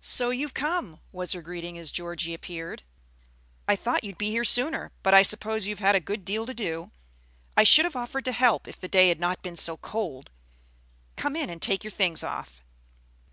"So you're come!" was her greeting as Georgie appeared. "I thought you'd be here sooner; but I suppose you've had a good deal to do. I should have offered to help if the day had not been so cold. Come in and take your things off."